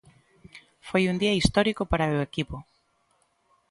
Foi un día histórico para o equipo.